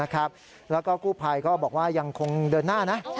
แล้วก็กู้ภัยก็บอกว่ายังคงเดินหน้านะ